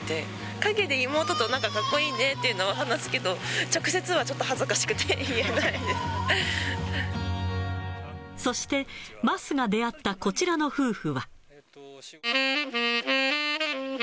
陰で妹となんか、かっこいいねっていうのは話すけど、直接はちょっと恥ずかしくてそして、桝が出会ったこちらの夫婦は。